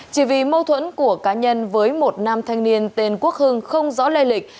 chỉ vì mâu thuẫn của cá nhân với một nam thanh niên tên quốc hưng không rõ lây lịch